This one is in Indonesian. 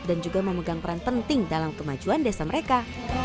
dan juga memegang peran penting dalam kemajuan desa mereka